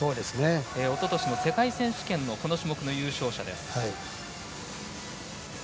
おととしの世界選手権のこの種目の優勝者です。